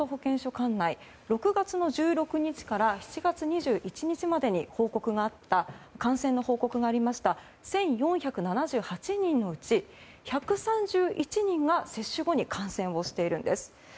管内６月１６日から７月２１日までに感染の報告がありました１４７８人のうち１３１人が接種後に感染をしているんです。